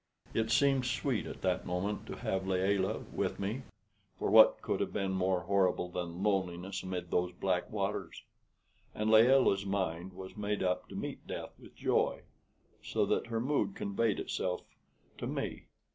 It seemed sweet at that moment to have Layelah with me, for what could have been more horrible than loneliness amid those black waters? and Layelah's mind was made up to meet death with joy, so that her mood conveyed itself to me.